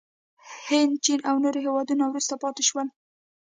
هند، چین او نور هېوادونه وروسته پاتې شول.